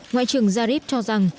ngoại trưởng jarif cho rằng